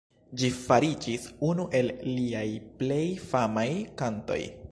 Ĝi fariĝis unu el liaj plej famaj kantoj.